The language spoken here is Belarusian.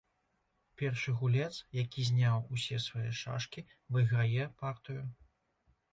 Першы гулец, які зняў усе свае шашкі, выйграе партыю.